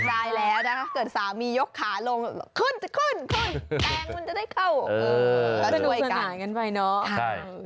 ได้แล้วนะเกิดสามียกขาลงขึ้นจะขึ้นขึ้นแปงมันจะได้เข้าปากก็ช่วยกัน